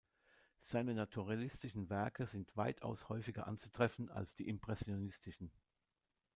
Seine naturalistischen Werke sind weitaus häufiger anzutreffen als die impressionistischen.